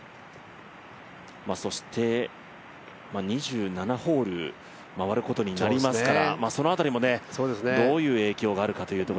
２７ホール回ることになりますからその辺りもどういう影響があるかという。